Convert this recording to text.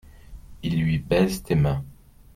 Il lui baise tes mains.